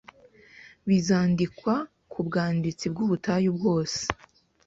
Bizandikwa kubwanditsi bwubutayi bwose